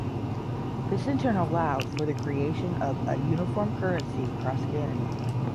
This in turn allowed for the creation of a uniform currency across Canada.